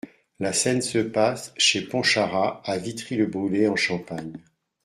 La scène se passe chez Pontcharrat, à Vitry-le-Brûlé, en Champagne.